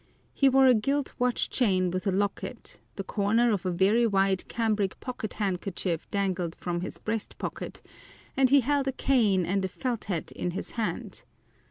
He wore a gilt watch chain with a locket, the corner of a very white cambric pocket handkerchief dangled from his breast pocket, and he held a cane and a felt hat in his hand.